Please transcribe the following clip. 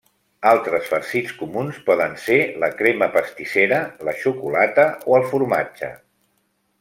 Altres farcits comuns poden ser la crema pastissera, la xocolata o el formatge.